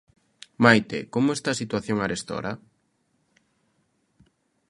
Maite, como está a situación arestora?